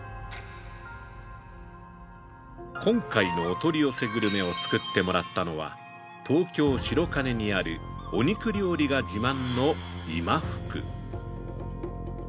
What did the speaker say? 今回のお取り寄せグルメを作ってもらったのは、東京白金にあるお肉料理が自慢の「今福」。